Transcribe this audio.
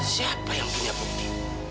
siapa yang punya bukti